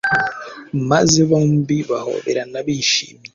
maze bombi bahoberana bishimye